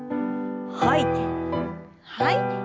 吐いて吐いて。